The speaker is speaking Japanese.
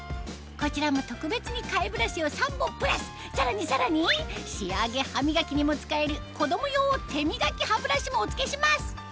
こちらも特別に替えブラシを３本プラスさらにさらに仕上げ歯磨きにも使える子供用手みがき歯ブラシもお付けします